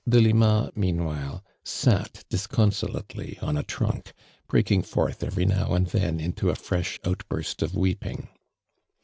Delima, meanwhile, sat disconsolately on a ti'unk, breakhig forth every now and then into a fresh outburst of weeping.